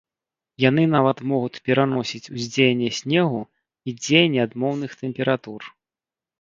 Яны нават могуць пераносіць ўздзеянне снегу і дзеянне адмоўных тэмператур.